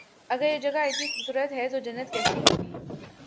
اگر یہ جگہ اتنی خوب صورت ہے تو جنت کیسی ہو گی